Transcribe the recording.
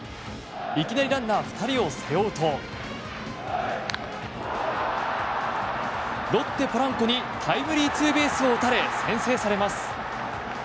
いきなりランナー２人を背負うとロッテ、ポランコにタイムリーツーベースを打たれ先制されます。